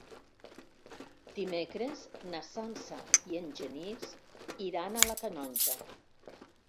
Dimecres na Sança i en Genís iran a la Canonja.